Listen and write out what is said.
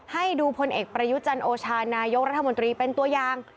ให้ดูพลเอกประยุจันโอชานายกรัฐมนตรีเป็นตัวอย่าง